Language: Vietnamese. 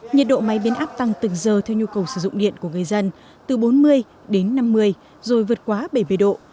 nhiệt độ máy biến áp tăng từng giờ theo nhu cầu sử dụng điện của người dân từ bốn mươi đến năm mươi rồi vượt quá bảy mươi độ